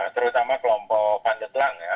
terutama kelompok pandetlang ya